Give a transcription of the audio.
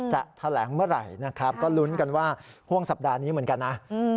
จะแถลงเมื่อไหร่นะครับก็ลุ้นกันว่าห่วงสัปดาห์นี้เหมือนกันนะ